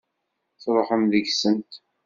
Tṛuḥem deg-sent.